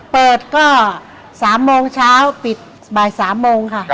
เปิดก็๓โมงเช้าปิดบ่าย๓โมงค่ะ